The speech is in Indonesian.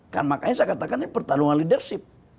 kan makanya saya katakan ini pertarungan leadership